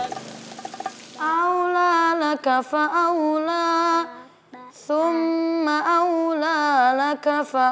nanti dia berkata aku mau bekerja